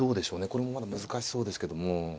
これもまだ難しそうですけども。